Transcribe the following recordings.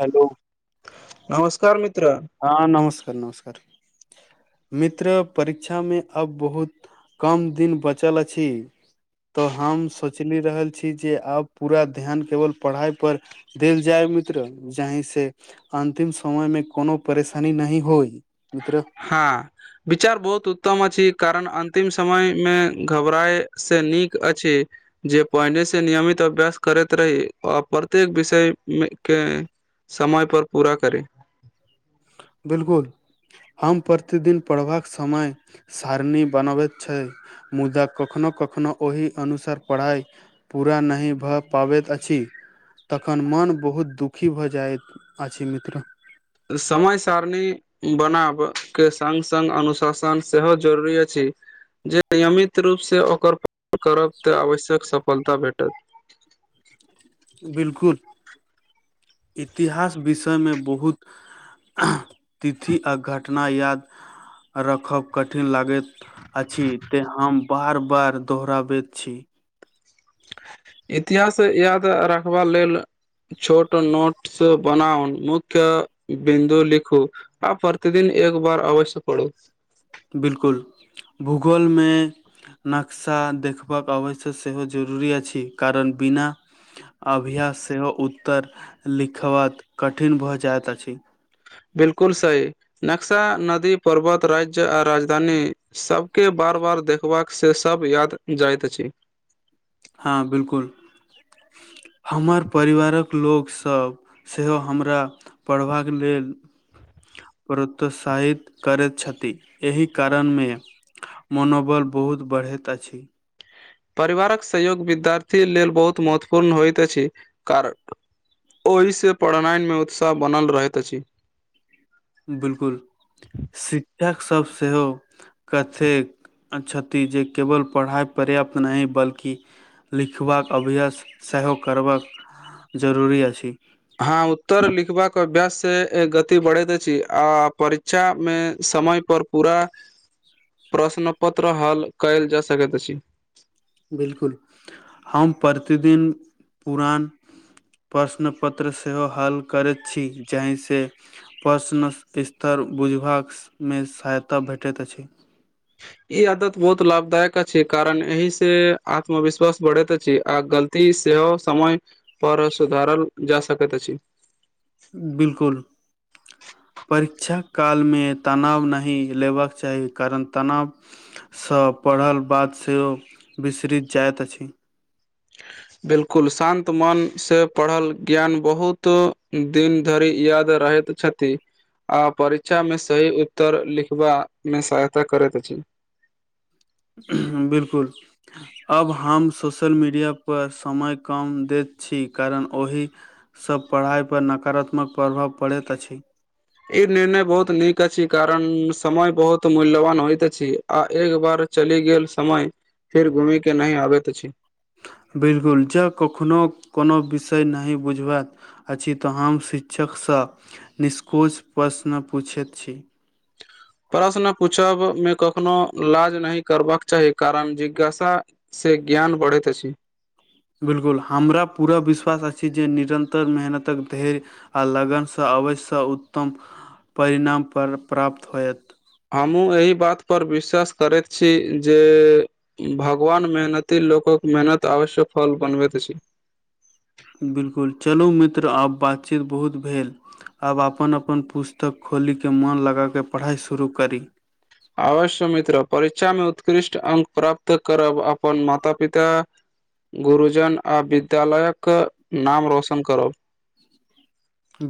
hello नमस्कार मित्र हँ नमस्कार नमस्कार मित्र परीक्षामे आब बहुत कम दिन बचल अछि तऽ हम सोचली रहल छी जे आब पूरा ध्यान केवल पढ़ाई पर देल जाय मित्र जहि से अन्तिम समय मे कोनो परेशानी नहि होइ मित्र हँ विचार बहुत उत्तम अछि कारण अन्तिम समय मे घबराए से नीक अछि जे पहिने से नियमित अभ्यास करैत रही आ प्रत्येक विषय मे के समय पर पूरा करे बिल्कुल हम प्रतिदिन पढ़बाक समय सारणी बनाबैत छै मुदा कखनो कखनो ओहि अनुसार पढ़ाई पूरा नहि भऽ पाबैत अछि तखन मन बहुत दुखी भऽ जाइत अछि मित्र समय सारणी बनाब के संग संग अनुशासन सेहो जरूरी अछि जे नियमित रूपसँ ओकर पालन करब तऽ आवश्यक सफलता भेटत बिलकुल इतिहास विषय मे बहुत तिथि आ घटना याद राखब कठिन लागैत अछि ते हम बार बार दोहराबैत छी इतिहास याद रखबा लेल छोट नोट्स बनाउ मुख्य बिन्दु लिखू आ प्रतिदिन एक बार अवश्य पढ़ूं बिलकुल भूगोलमे नक्शा देखबाक अवश्य सेहो जरुरी अछि कारण बिना अभ्यास सेहो उत्तर लिखबाक कठिन भऽ जाइत अछि बिलकुल सहि नक्शा नदी पर्वत राज्य आ राजधानी सभके बार बार देखबाक से सभ याद जाइत अछि हँ बिलकुल हमर परिवारक लोग सब सेहो हमरा पढ़बाक लेल प्रोत्साहित करैत छथि एहि कारणमे मनोबल बहुत बढ़ैत अछि परिवारक सहयोग विद्यार्थी लेल बहुत महत्वपूर्ण होइत अछि कारण ओहिसँ पढ़नाइ मे उत्साह बनल रहैत अछि बिलकुल शिक्षक सब सेहो कथेक छथि जे केवल पढ़ाई पर्याप्त नहि बल्कि लिखबाक अभ्यास सेहो करबाक जरूरी अछि हँ उत्तर लिखबाक अभ्यास से गति बढ़ैत अछि आ परीक्षामे समय पर पूरा [unintelligible] [unintelligible] प्रश्नपत्र हल कयल जा सकैत अछि बिल्कुल हम प्रतिदिन पुरान प्रश्नपत्र सेहो हाल करैत छी जाहिसँ प्रश्न स्तर बुझबासमे सहायता भेटैत अछि ई आदत बहुत लाभदायक अछि कारण एहि से आत्मविश्वास बढ़ैत अछि आ गलती ते सेहो समय पर सुधारल जा सकैत अछि बिलकुल परीक्षा कालमे तनाव नहि लेबक चाही कारण तनाव सँ पढ़ल बाद सेहो विसरित जाइत अछि बिल्कुल शान्त मन से पढ़ल ज्ञान बहुत दिन धरि याद रहैत छथि आ परीक्षा मे सही उत्तर लिखबा मे सहायता करैत अछि बिलकुल आब हम सोशल मीडिया पर समय कम दैत छी कारण ओहि सब पढ़ाइ पर नकारात्मक प्रभाव पड़ैत अछि ई निर्णय बहुत नीक अछि कारण समय बहुत मूल्यवान होइत अछि आ एक बार चलि गेल समय फिर घूमय के नहि आबैत अछि बिलकुल जँ कखनो कोनो विषय नहि बुझबात अछि तऽ हम शिक्षकसँ निष्कोच प्रश्न पूछैत छी प्रश्न पूछब मे कखनो लाज नहि करबाक चाही कारण जिज्ञासा से ज्ञान बढ़ैत अछि बिलकुल हमरा पूरा विश्वास अछि जे निरन्तर मेहनतक धैर्य आ लगनसँ अवश्य उत्तम परिणाम प्राप्त होयत हमहूँ एहि बातपर विश्वास करैत छी जे भगवान मेहनती लोकक मेहनत अवश्य फल बनबैत अछि बिल्कुल चलू मित्र आब बातचीत बहुत भेल आब अपन अपन पुस्तक खोलि के मोन लगा कऽ पढ़ाइ शुरू करी अवश्य मित्र परीक्षा मे उत्कृष्ट अंक प्राप्त करब अपन माता-पिता गुरुजन आ विद्यालयक नाम रोशन करब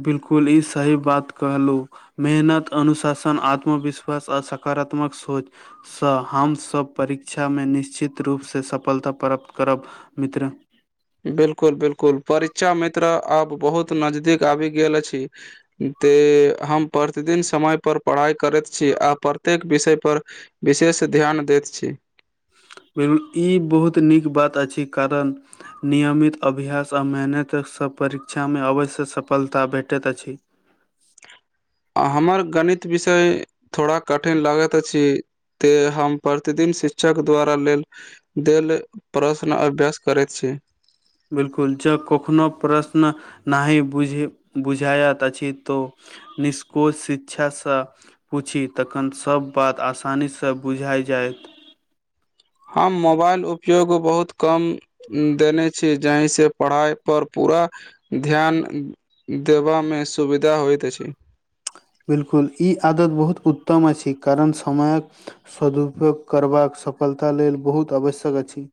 बिलकुल ई सही बात कहलहुँ मेहनत अनुशासन आत्मविश्वास आ सकारात्मक सोच सँ हमसभ परीक्षा मे निश्चित रूपसँ सफलता प्राप्त करब मित्र बिल्कुल बिल्कुल परीक्षा मित्र आब बहुत नजदीक आबी गेल छै ते हम प्रतिदिन समय पर पढ़ाई करैत छी आ प्रत्येक विषय पर विशेष ध्यान दैत छी बुल ई बहुत नीक बात अछि कारण नियमित अभ्यास आ मेहनतसँ परीक्षामे अवश्य सफलता भेटैत अछि हमर गणित विषय थोड़ा कठिन लगैत अछि ते हम प्रतिदिन शिक्षक द्वारा लेल देल प्रश्न अभ्यास करैत छी बिलकुल जँ कखनो प्रश्न नहि बुझ बुझायइत अछि तो निष्कोज शिक्षासँ पूछी तखन सब बात आसानीसँ बुझाइ जाइत हम मोबाइल उपयोग बहुत कम देने छी जहि से पढ़ाई पर पूरा ध्यान देबामे सुविधा होइत अछि बिल्कुल ई आदत बहुत उत्तम अछि करण समयक सदुपयोग करबाक सफलता लेल बहुत आवश्यक अछि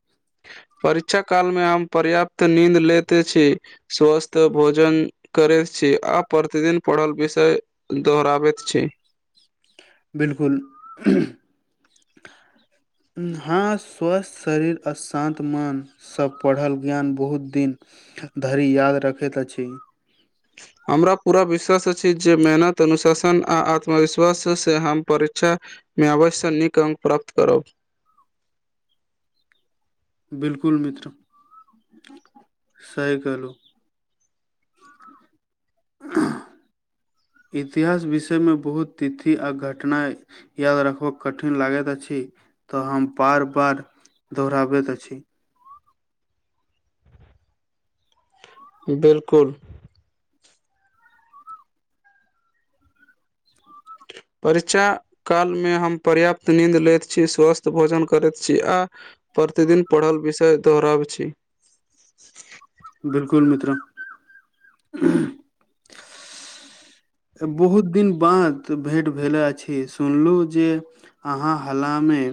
परीक्षा काल मे हम पर्याप्त नींद लेते छी स्वस्थ भोजन करै छी आ प्रतिदिन पढ़ल विषय दोहराबैत छै बिल्कुल हँ स्वस्थ शरीर अशान्त मन सभ पढ़ल ज्ञान बहुत दिन धरि याद रखैत अछि हमरा पूरा विश्वास अछि जे मेहनत अनुशासन आ आत्मविश्वाससँ हम परीक्षा मे अवश्य नीक अंक प्राप्त करब बिल्कुल मित्र सही कहलहु इतिहास विषयमे बहुत तिथि आ घटना याद रखबो कठिन लागैत अछि तऽ हम पार पार दोहराबैत अछि बिल्कुल परीचा कालमे हम पर्याप्त नीद लैत छी स्वस्थ भोजन करैत छी आ प्रतिदिन पढ़ल विषय दोहराबैत बिलकुल मित्र बहुत दिन बाद भेट भेले अछि सुनलहुँ जे अहाँ हालामे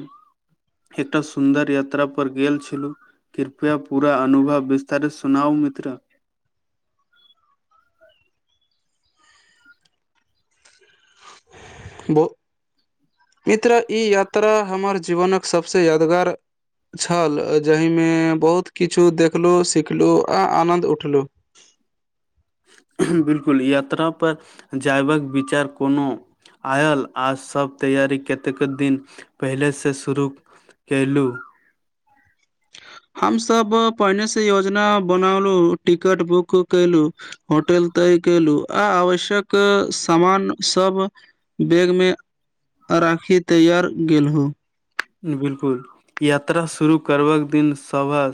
एकटा सुन्दर यात्रा पर गेल छलू कृपया पूरा अनुभव विस्तार सुनाउ मित्र मित्रा ई यात्रा हमर जीवनक सभसँ यादगार छल जाहिमे बहुत किछु देखलहु सिखलहु आ आनंन्द उठलहुँ बिल्कुल यात्रापर जयबाक विचार कोनो आयल आ सभ तैयरी कतेक दिन पहिलेसँ शुरू केलू हम सब पहिने से योजना बनलु टिकट बुक केलु होटल तय केलहु आ आवश्यक सामान सब बैगमे राखी तैयार गेलू बिलकुल यात्रा शुरू करबाकक दिन सबह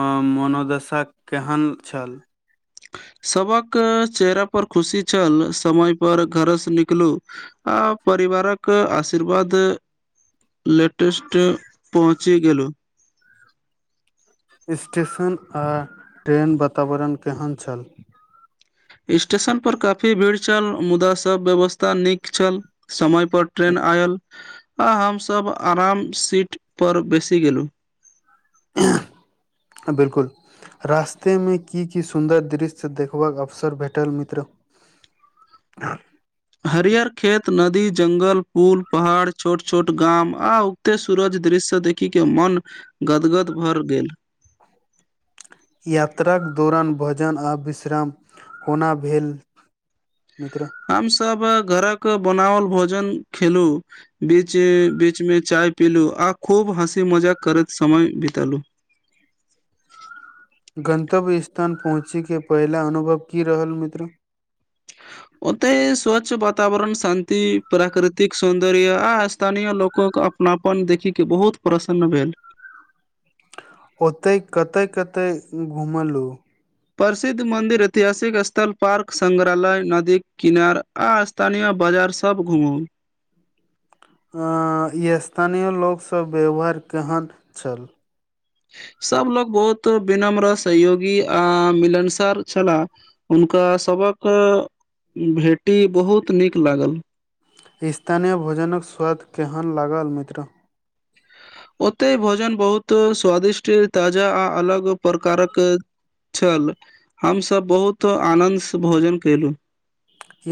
अ मनोदशा केहन छल सबक चेहरा पर खुशी छल समय पर घर से निकलू आ परिवारक आशीर्वाद लेटेस्ट पहुँचि गेलहुँ स्टेशन आ ट्रेन वातावरण केहन छल स्टेशन पर काफी भीड़ छल मुदा सब व्यवस्था नीक छल समय पर ट्रेन आयल आ हमसब आराम सीट पर बेसी गेलु बिल्कुल रास्तेमे की की सुन्दर दृश्य देखबाक अवसर भेटल मित्र आ [unintelligible] हरियर खेत नदी जंगल पुल पहाड़ छोट छोट गाम आ एते सूरज दृश्य देखिक के मन गदगद भर यात्राक दौरान भजन आओर विश्राम कोना भेल मिित्र हमसभ घरक बनावल भोजन खेलु बीचे बीच में चाय पीलु आ खूब हँसी मजाक करैत समय बितेलु गन्तव्य स्थान पहुँचैके पहिला अनुभव की रहल मित्र ओतय स्वच्छ वातवरण शान्ति प्राकृतिक सौन्दर्य आ स्थानीय लोक अपनापन देखिके बहुत प्रसन्न भेल ओतय कत कतऽ घुमलहुँ प्रसिद्ध मन्दिर ऐतिहासिक स्थल पार्क संगग्रहालय नदी किनार आ स्थानीय बाजार सब घूमू ई स्थानीय लोकसभ व्यवहार केहन छल सब लोग बहुत विनम्र सहयोगी आ मिलनसर छला हुनका सभक भेटी बहुत नीक लागल स्थनीय भोजनक स्वाद केहन लागल ओते भोजन बहुत स्वादिष्ट ताजा आ अलग प्रकारक छल हमसभ बहुत आनन्दसँ भोजन केलहुँ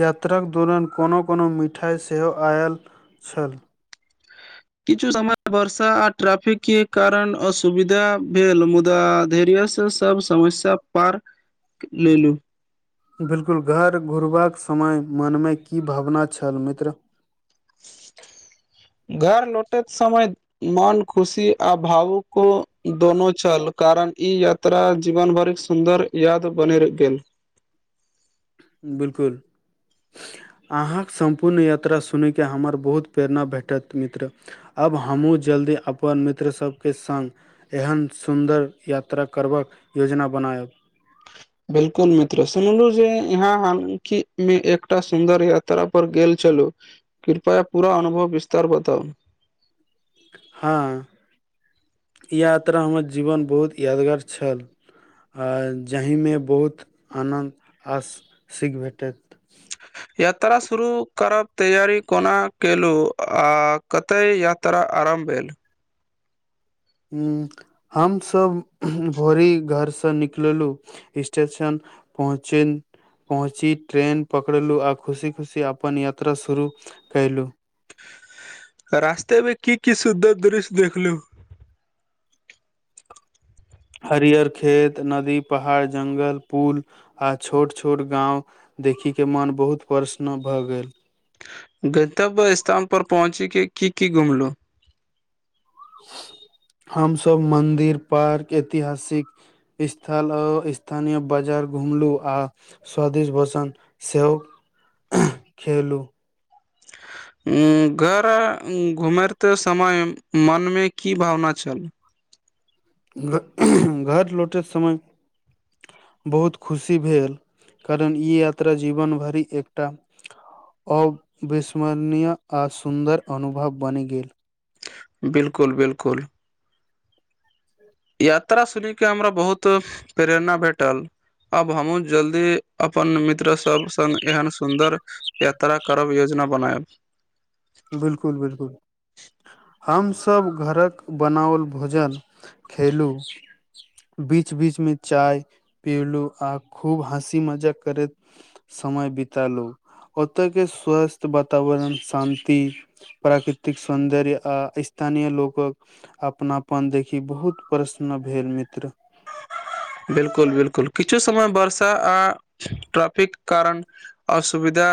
यात्राक दौरान कोनो कोनो मिठाइ सेहो आयल छल किछु समय वर्षा आ ट्रैफिक के कारण असुविधा भेल मुदा धैर सब समस्या पार लेलू बिल्कुल घर घुरबाक समय मनमे की भावना छल मित्र [unintelligible] घर लौटैत समय मन खुशी आ भावुको दोनो छल कारण ई यत तरा जीवन भरिक सुन्दर याद बनैर बिलकुल अहाँक सम्पूर्ण यात्रा सुनैके हमर बहुत प्रेरणा भेटत मित्र आब हमहूँ जल्दी अपन मित्रसभके संग एहन सुन्दर यात्रा करबाक योजना बनायब बिलकुल मित्र सुनलु जे यहाँ हालकि मे एकटा सुन्दर यात्रा पर गेल छलु कृपया पूरा अनुभव विस्तार बताउ हँ ई यात्रा हमर जीवन बहुत यादगार छल जाहिमे बहुत आनन्द आ सीख भेटत यात्रा शुरू करब तैयारी कोना केलहुँ आ कतय यात्रा त्रा आराम भेल उ हमसभ भोरी घरसँ निकललहुँ स्टेशन पहुँचेल पहुँची ट्रेन पकड़लहुँ आ खुशी खुशी अपन यात्रा शुरू कयलूँ रास्ता मे कि कि सुधर दृश्य देखलु हरियर खेत नदी पहाड़ जंगल पुल आ छोट छोट गाँंव देखी के मोन बहुत प्रसन्न भऽ गेल गतव्य स्थानप पहुँचिके की की घुमलहुँ हमसभ मन्दिर पार्क ऐतिहासिक स्थल अ स्थानीय बाजार घुमलू आ स्वदीश बसन सेहो खेलू घर घुमैते समय मनमे की भावना छल घ घर लौटय समय बहुत खुशी भेल कारण ई यात्रा जीवन भरि एकटा अविस्मरणीय आ सुन्दर अनुभव बनि गेल बिल्कुल बिल्कुल यात्रा सुने के हमरा बहुत प्रेरणा भेटल आब हमहुँ जल्दी अपन मित्र सब संग एहन सुन्दर यात्रा करब योजना बनायब बिल्कुल बिल्कुल हमसभ घरक बनाओल भोजन खेलु बीच बीच मे चाय पीलु आ खूब हँसी मजाक करैत समय बितेलहु ओतऽ के स्वस्थ्य वातावरण शान प्राकृतिक सौन्दर्य आ स्थानीय लोकक अपनापन देखी बहुत प्रसन्न भेल मित्र बिल्कुल बिल्कुल किछु समय बर्षा आ ट्राफिक कारण असुविधा